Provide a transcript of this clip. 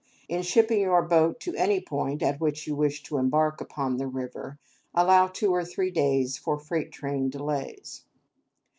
In shipping your boat to any point at which you wish to embark upon a river, allow two or three days for freight train delays.